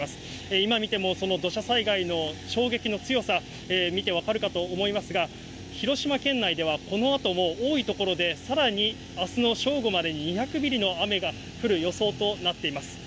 今見てもその土砂災害の衝撃の強さ、見て分かるかと思いますが、広島県内では、このあとも多い所でさらにあすの正午までに２００ミリの雨が降る予想となっています。